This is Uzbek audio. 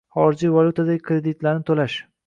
Xorijiy valyutadagi kreditlarni to'lash